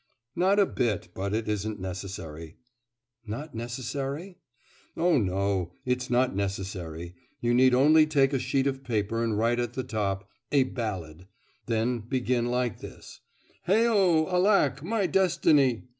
'Not a bit; but it isn't necessary.' 'Not necessary?' 'Oh no, it's not necessary. You need only take a sheet of paper and write at the top "A Ballad," then begin like this, "Heigho, alack, my destiny!"